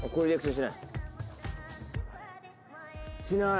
しない。